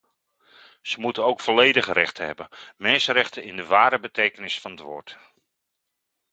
Ze moeten ook volledige rechten hebben: mensenrechten in de ware betekenis van het woord.